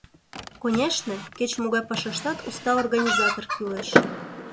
— Конешне, кеч-могай пашаштат уста организатор кӱлеш...